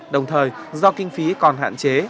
đồng thời do kinh phí còn hạn chế